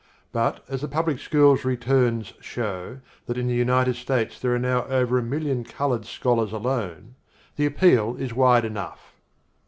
But, as the public schools returns show that in the United States there are now over a million coloured scholars alone, the appeal is wide enough.